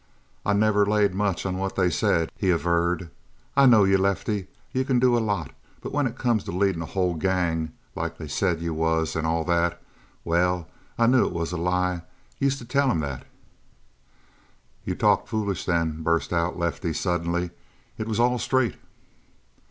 "I never laid much on what they said," he averred. "I know you, Lefty; you can do a lot, but when it comes to leading a whole gang, like they said you was, and all that well, I knew it was a lie. Used to tell 'em that." "You talked foolish, then," burst out Lefty suddenly. "It was all straight."